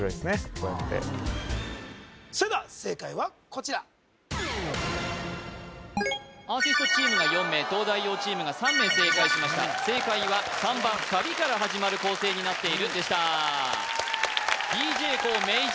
こうやってそれでは正解はこちらアーティストチームが４名東大王チームが３名正解しました正解は３番サビから始まる構成になっているでしたＤＪＫＯＯＭａｙＪ．